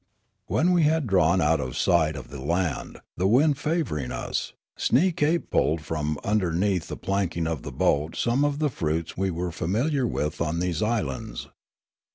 When we had drawn out of sight of the land, the wind favouring us, Sneekape pulled from underneath the planking of the boat some of the fruits we were familiar with on these islands.